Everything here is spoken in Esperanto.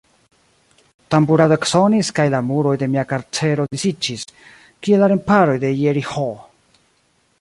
Tamburado eksonis, kaj la muroj de mia karcero disiĝis, kiel la remparoj de Jeriĥo.